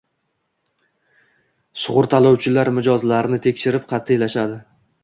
Sug‘urtalovchilar mijozlarini tekshirish qat'iylashadi